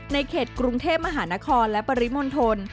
ในเขตกรุงเทพมหานครและปริมณฑล